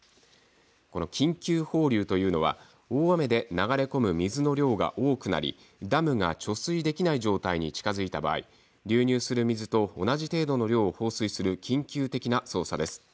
この緊急放流というのは大雨で流れ込む水の量が多くなりダムが貯水できない状態に近づいた場合、流入する水と同じ程度の量を放水する緊急的な操作です。